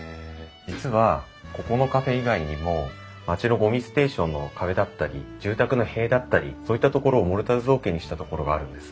実はここのカフェ以外にも町のゴミステーションの壁だったり住宅の塀だったりそういったところをモルタル造形にしたところがあるんです。